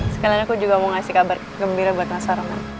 sekalian aku juga mau ngasih kabar gembira buat mas harman